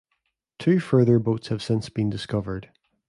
Two further boats have since been discovered.